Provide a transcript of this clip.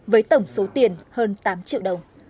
với tổng số tiền hơn tám triệu đồng